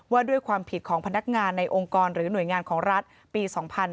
ว่าด้วยความผิดของพนักงานในองค์กรหรือหน่วยงานของรัฐปี๒๕๕๙